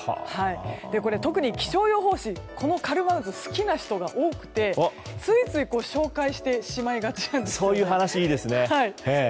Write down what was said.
これ、特に気象予報士このカルマン渦好きな人が多くてついつい紹介してしまいがちなんです。そういう話、いいですね。